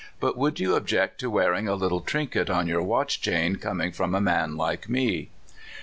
But would you object to wear ing a little trinket on your watch chain, coming from a man like me